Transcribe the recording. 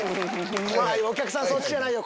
お客さんそっちじゃないよ。